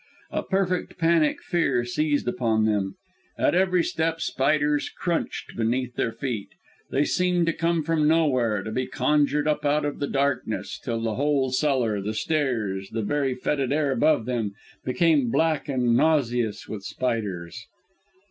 A perfect panic fear seized upon them. At every step spiders crunched beneath their feet. They seem to come from nowhere, to be conjured up out of the darkness, until the whole cellar, the stairs, the very fetid air about them, became black and nauseous with spiders.